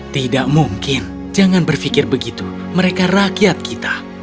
tidak mungkin jangan berpikir begitu mereka rakyat kita